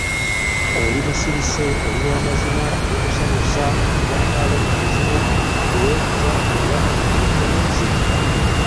Oli musirise, oli wa mmizzi, oli musanyusa, oyamba abali mu buzibu, teweekuza era toli mwewulize.